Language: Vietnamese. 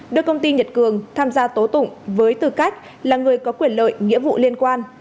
đưa công ty nhật cường tham gia tố tụng với tư cách là người có quyền lợi nghĩa vụ liên quan